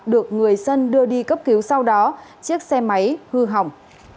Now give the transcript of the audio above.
được người dân đưa đi cấp cứu sau đó chiếc xe máy hư hỏng